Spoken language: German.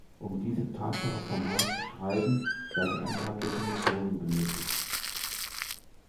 Um diese Tatsache formal zu schreiben, werden ein paar Definitionen benötigt.